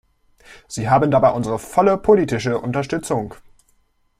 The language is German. Sie haben dabei unsere volle politische Unterstützung!